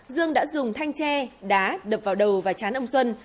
dương đã dùng thanh tre đá đập vào đầu và chán ông xuân